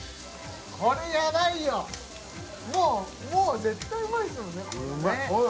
これヤバいよもうもう絶対うまいですもんねほら